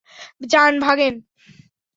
যান, ভাগেন।